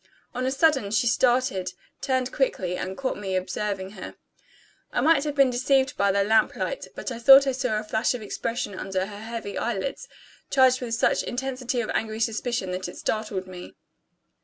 On a sudden, she started, turned quickly, and caught me observing her. I might have been deceived by the lamp light; but I thought I saw a flash of expression under her heavy eyelids, charged with such intensity of angry suspicion that it startled me.